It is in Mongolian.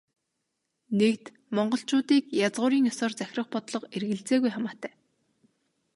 Нэгд, монголчуудыг язгуурын ёсоор захирах бодлого эргэлзээгүй хамаатай.